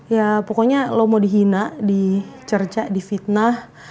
ya pokoknya lo mau dihina dicerca difitnah